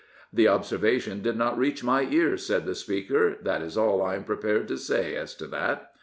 " The observation did not reach my ears,'' said the Speaker; that is all I am prepared to say as to that.